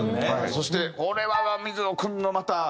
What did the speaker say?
そしてこれは水野君のまた。